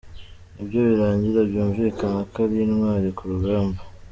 Nibyo birangira byumvikana ko ari intwari ku rugamba.